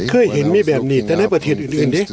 เคยเห็นมีแบบนี้แต่ในประเทศอื่นดิ